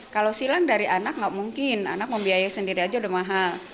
kalau silang dari anak nggak mungkin anak membiayai sendiri aja udah mahal